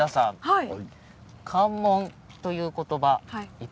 はい！